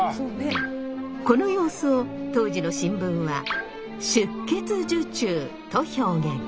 この様子を当時の新聞は「出血受注」と表現。